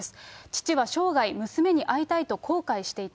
父は生涯、娘に会いたいと後悔していた。